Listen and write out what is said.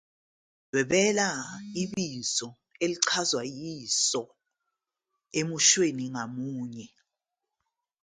Dwebela ibizo elichazwa yiso emushweni ngamunye.